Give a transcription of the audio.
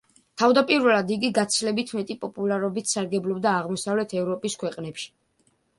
თავდაპირველად იგი გაცილებით მეტი პოპულარობით სარგებლობდა აღმოსავლეთ ევროპის ქვეყნებში.